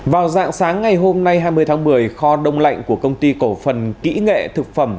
vào dạng sáng ngày hôm nay hai mươi tháng một mươi kho đông lạnh của công ty cổ phần kỹ nghệ thực phẩm